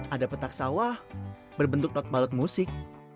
ada petak sawah berbentuk not balut musik